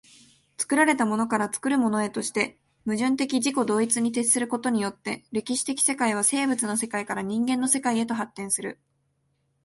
作られたものから作るものへとして、矛盾的自己同一に徹することによって、歴史的世界は生物の世界から人間の世界へと発展する。